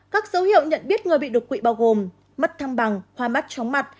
các dấu hiệu nhận biết người bị đột quỵ bao gồm mắt thăng bằng hoa mắt trống mặt